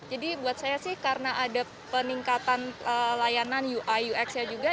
jadi buat saya sih karena ada peningkatan layanan ui ux nya juga